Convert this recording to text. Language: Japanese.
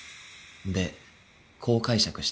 でこう解釈した。